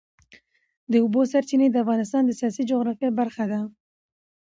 د اوبو سرچینې د افغانستان د سیاسي جغرافیه برخه ده.